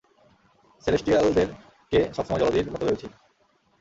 সেলেস্টিয়ালদেরকে সবসময় জলধির মত ভেবেছি।